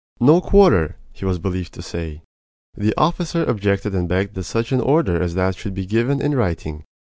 "No quarter!" he was believed to say. The officer objected and begged that such an order as that should be given in writing.